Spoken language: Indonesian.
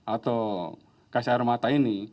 atau gas air mata ini